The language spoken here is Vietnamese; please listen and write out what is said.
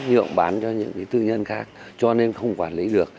nhượng bán cho những cái tư nhân khác cho nên không quản lý được